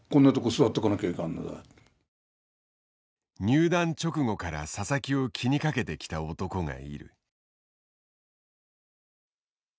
入団直後から佐々木を気にかけてきた男がいる。